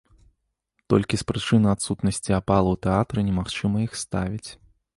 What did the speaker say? Толькі з прычыны адсутнасці апалу ў тэатры немагчыма іх ставіць.